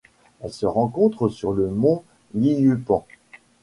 Elle se rencontre sur le mont Liupan.